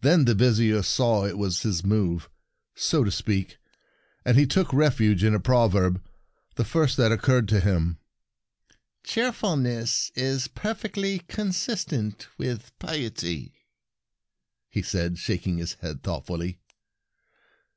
Then the Vizier saw it v/as his move, so to speak, and he took refuge in a proverb — the first that occurred to him : '"Cheerfulness is perfectly consistent with piety,' " he said, shaking his head thoughtfully.